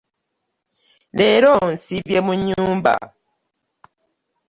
leero nsiibye mu nnyumba.